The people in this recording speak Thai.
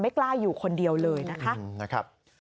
กล้าอยู่คนเดียวเลยนะคะ